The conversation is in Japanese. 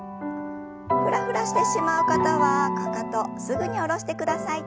フラフラしてしまう方はかかとすぐに下ろしてください。